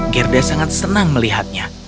gerda sangat senang melihatnya